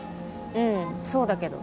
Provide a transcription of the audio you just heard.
うんそうだけど。